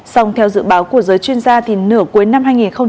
song theo dự báo của giới chuyên gia thì nửa cuối năm hai nghìn hai mươi hai